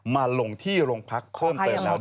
มาลงที่โรงพักข้นเติมหน้าด้วยนะฮะขอใครขอใคร